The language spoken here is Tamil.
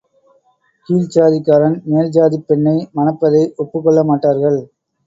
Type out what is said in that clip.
கீழ்ச்சாதிக்காரன் மேல் சாதிப் பெண்ணை மணப்பதை ஒப்புக் கொள்ளமாட்டார்கள்.